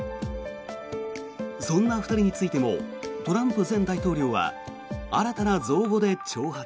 そんな２人についてもトランプ前大統領は新たな造語で挑発。